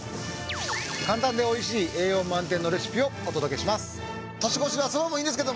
簡単で美味しい栄養満点のレシピをお届けします。